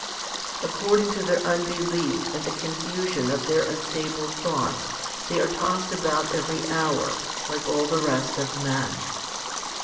2 According to their unbelief and the confusion of their unstable thoughts, they are tossed about every hour, like all the rest of men.